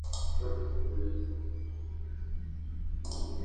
Nació en Alejandría, de madre egipcia y padre de origen turco.